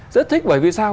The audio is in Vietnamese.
rất thích bởi vì sao